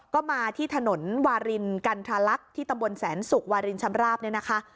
ก็มาที่ถนนวารินกันทรลักษณ์ที่ตำบลแสนสุกวารินชำราบเนี่ยนะคะ